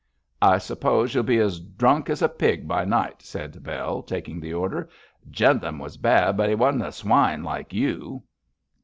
'I suppose you'll be as drunk as a pig by night,' said Bell, taking the order. 'Jentham was bad, but he wasn't a swine like you.'